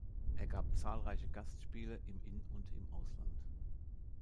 Er gab zahlreiche Gastspiele im In- und im Ausland.